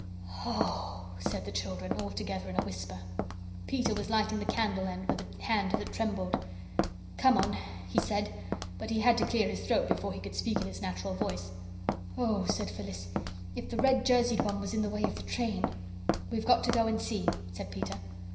"OH!" said the children, all together in a whisper. Peter was lighting the candle end with a hand that trembled. "Come on," he said; but he had to clear his throat before he could speak in his natural voice. "Oh," said Phyllis, "if the red jerseyed one was in the way of the train!" "We've got to go and see," said Peter.